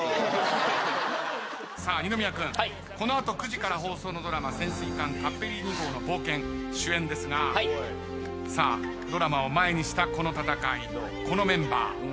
さあ二宮君この後９時から放送のドラマ『潜水艦カッペリーニ号の冒険』主演ですがドラマを前にしたこの戦いこのメンバー。